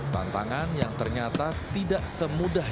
tantangan yang ternyata tidak semudah